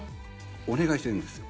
お願いしてるんですよ